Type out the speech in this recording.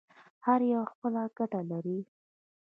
هر یو خپله ګټه لري.